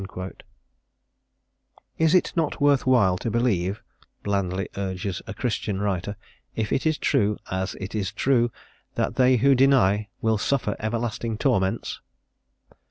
"Is it not worth while to believe," blandly urges a Christian writer, "if it is true, as it is true, that they who deny will suffer everlasting torments?"